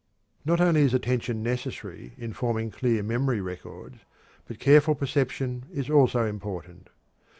Not only is attention necessary in forming clear memory records, but careful perception is also important.